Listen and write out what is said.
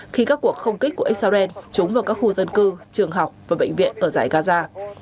khi các cuộc không kích của israel trúng vào các khu dân cư trường học và bệnh viện ở giải gaza